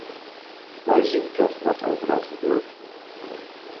Wij zien toch wat overal gebeurt.